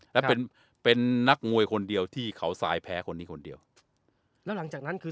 และเป็นเป็นนักมวยคนเดียวที่เขาทรายแพ้คนนี้คนเดียวแล้วหลังจากนั้นคือ